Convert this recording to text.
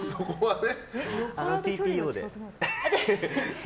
ＴＰＯで。